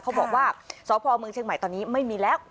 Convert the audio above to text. เขาบอกว่าสพเมืองเชียงใหม่ตอนนี้ไม่มีแล้ว